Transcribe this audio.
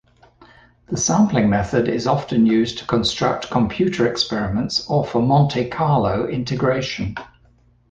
The sampling method is often used to construct computer experiments or for Monte-Carlo integration.